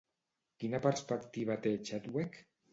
Quina perspectiva té Chadwick?